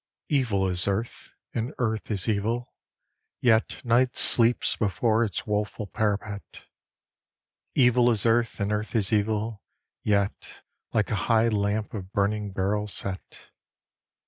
Evil is earth and Earth is evil, yet Night sleeps before its woful parapet. Evil is earth and Earth is evil, yet Like a high lamp of burning beryl set.